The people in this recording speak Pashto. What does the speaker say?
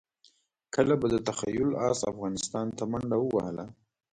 کله به د تخیل اس افغانستان ته منډه ووهله.